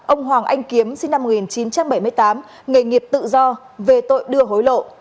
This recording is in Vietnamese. ông hoàng anh kiếm sinh năm một nghìn chín trăm bảy mươi tám nghề nghiệp tự do về tội đưa hối lộ